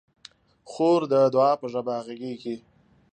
خور د دعا په ژبه غږېږي.